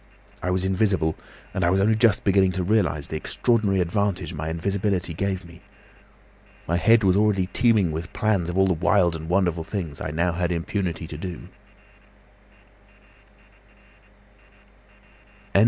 I was invisible, and I was only just beginning to realise the extraordinary advantage my invisibility gave me. My head was already teeming with plans of all the wild and wonderful things I had now impunity to do."